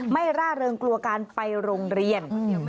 ไม่ล่าเริงกลัวกันไปโรงเรียน